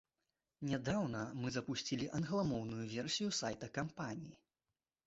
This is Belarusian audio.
Нядаўна мы запусцілі англамоўную версію сайта кампаніі.